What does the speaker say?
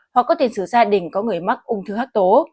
hoặc có tiền sử gia đình có người mắc ung thư hắc tố